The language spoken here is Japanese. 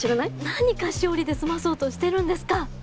何菓子折りで済まそうとしてるんですか。